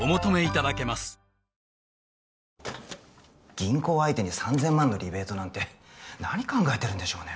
銀行相手に３千万のリベートなんて何考えてるんでしょうね？